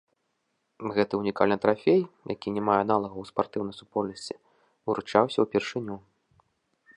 Гэты ўнікальны трафей, які не мае аналагаў у спартыўнай супольнасці, уручаўся ўпершыню.